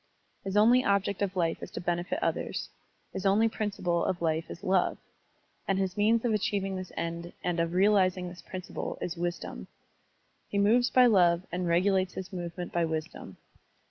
His only object of life is to benefit others, his only principle of life is love, and his means of achieving this end and of realizing this principle is wisdom. He moves by love and regulates his movement by wisdom.